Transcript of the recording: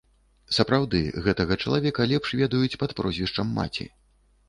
Сапраўды, гэтага чалавека лепш ведаюць пад прозвішчам маці.